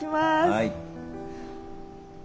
はい。